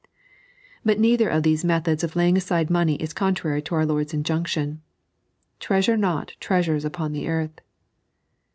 But neither of these methods of laying aside money is contrary to our Lord's injunction, "Treasure not treasures upon the earth."